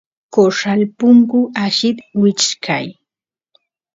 corral punku allit wichkay